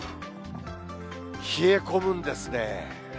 冷え込むんですね。